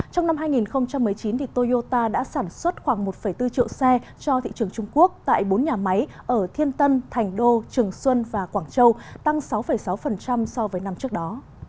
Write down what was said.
trong năm hai nghìn một mươi chín toyota đã sản xuất khoảng một bốn triệu xe cho thị trường trung quốc tại bốn nhà máy ở thiên tân thành đô trường xuân và quảng châu tăng sáu sáu so với năm trước đó